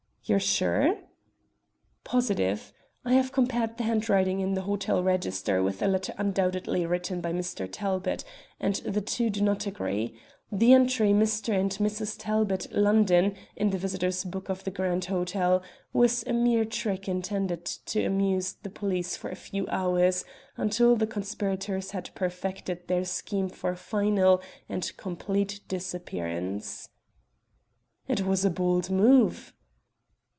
"You are sure?" "Positive. I have compared the handwriting in the hotel register with a letter undoubtedly written by Mr. Talbot, and the two do not agree. The entry 'Mr. and Mrs. Talbot, London,' in the visitors' book of the Grand Hotel, was a mere trick intended to amuse the police for a few hours until the conspirators had perfected their scheme for final and complete disappearance." "It was a bold move."